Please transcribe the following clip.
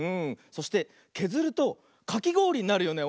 そしてけずるとかきごおりになるよね。